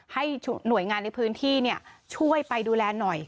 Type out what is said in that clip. ให้หน่วยงานในพื้นที่ช่วยไปดูแลหน่อย